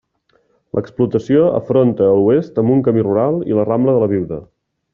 L'explotació afronta a l'oest amb un camí rural i la rambla de la Viuda.